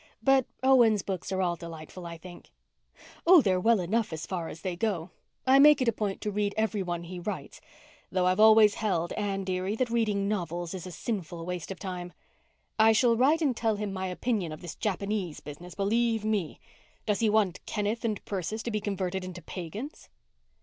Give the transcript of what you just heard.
But Owen's books are all delightful, I think." "Oh, they're well enough as far as they go. I make it a point to read every one he writes, though I've always held, Anne dearie, that reading novels is a sinful waste of time. I shall write and tell him my opinion of this Japanese business, believe me. Does he want Kenneth and Persis to be converted into pagans?"